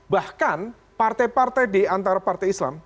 bahkan partai partai di antara partai islam